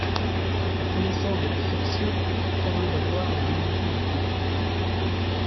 La connaissance de la section permet d'avoir la mesure du débit.